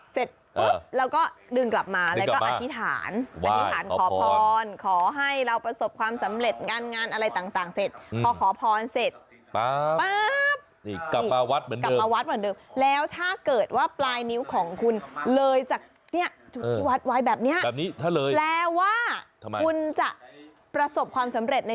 เสร็จแล้วก็ดึงกลับมาแล้วก็อธิษฐานอธิษฐานขอพรขอให้เราประสบความสำเร็จ